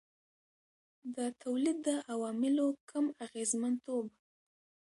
د تولید د عواملو کم اغېزمنتوب.